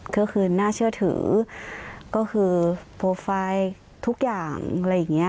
ก็คือน่าเชื่อถือก็คือโปรไฟล์ทุกอย่างอะไรอย่างนี้